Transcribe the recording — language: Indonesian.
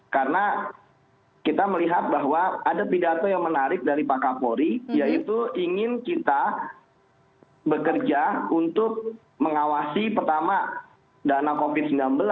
karena kita melihat bahwa ada pidato yang menarik dari pak kapolri yaitu ingin kita bekerja untuk mengawasi pertama dana covid sembilan belas